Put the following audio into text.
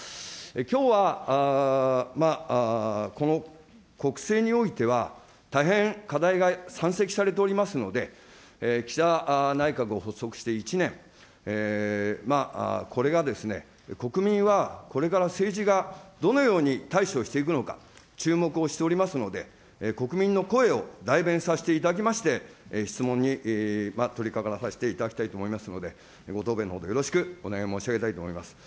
きょうは、この国政においては、大変課題が山積されておりますので、岸田内閣発足して１年、これが国民はこれから政治がどのように対処をしていくのか、注目をしておりますので、国民の声を代弁させていただきまして、質問に取りかからせていただきますので、ご答弁のほど、よろしくお願いを申し上げたいと思います。